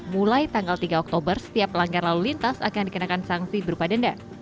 mulai tanggal tiga oktober setiap pelanggar lalu lintas akan dikenakan sanksi berupa denda